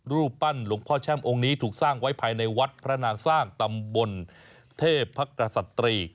รูปปั้นหลวงพ่อแช่มองค์นี้ถูกสร้างไว้ภายในวัดพระนางสร้างตำบลเทพพักกษัตรี